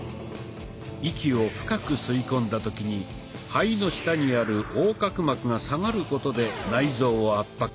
息を深く吸い込んだ時に肺の下にある横隔膜が下がることで内臓を圧迫。